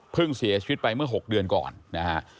เพิ่งเสียชีวิตไปเมื่อ๖เดือนก่อนนะครับ